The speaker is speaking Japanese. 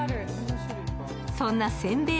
そんなせいべい